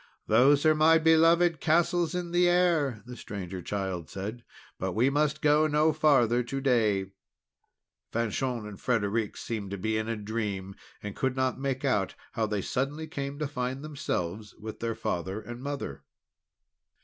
"Those are my beloved castles in the air," the Stranger Child said. "But we must go no farther to day!" Fanchon and Frederic seemed to be in a dream, and could not make out how they suddenly came to find themselves with their father and mother.